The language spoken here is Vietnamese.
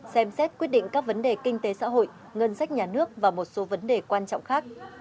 xem xét quyết định các vấn đề kinh tế xã hội ngân sách nhà nước và một số vấn đề quan trọng khác